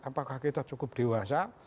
apakah kita cukup dewasa